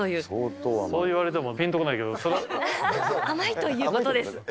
そう言われてもぴんとこない甘いということです。